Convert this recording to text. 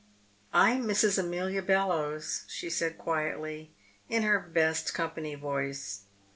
"I'm Mrs. Amelia Bellowes," she said quietly, in her best company voice.